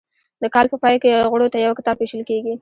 د کال په پای کې غړو ته یو کتاب ویشل کیږي.